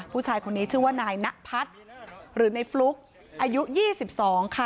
ผู้ชายคนนี้ชื่อว่านายนพัฒน์หรือในฟลุ๊กอายุ๒๒ค่ะ